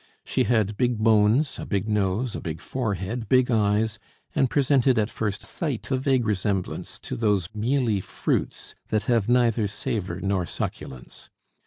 She had big bones, a big nose, a big forehead, big eyes, and presented at first sight a vague resemblance to those mealy fruits that have neither savor nor succulence.